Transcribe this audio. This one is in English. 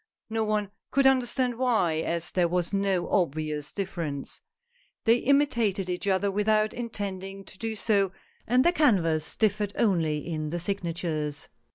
No one could understand why, as there was no obvious difference. They imitated each other without intending to do so, and their canvas differed only in the signatures.